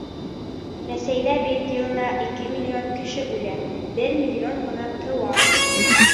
Рәсәйҙә бит йылына ике миллион кеше үлә, бер миллион ғына тыуа.